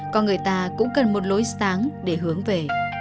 con người ta cũng cần một lối sáng để hướng về